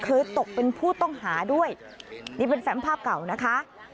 ตกเป็นผู้ต้องหาด้วยนี่เป็นแฟมภาพเก่านะคะ